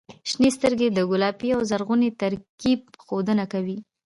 • شنې سترګې د ګلابي او زرغوني ترکیب ښودنه کوي.